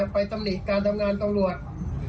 ตำหนิการทำงานตำรวจ